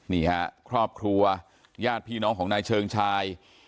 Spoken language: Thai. นี่ฮะครอบครัวญาติพี่น้องของนายเชิงชาย